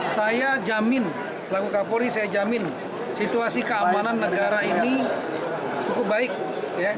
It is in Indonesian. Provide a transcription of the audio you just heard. saya jamin selaku kapolri saya jamin situasi keamanan negara ini cukup baik ya